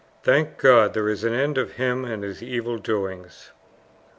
Thank God, there is an end of him and his evil doings!"